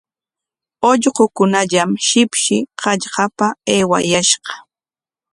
Ullqukunallam shipshi hallqapa aywayashqa.